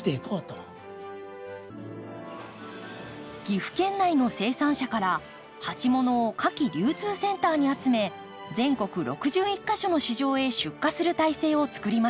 岐阜県内の生産者から鉢物を花き流通センターに集め全国６１か所の市場へ出荷する体制をつくりました。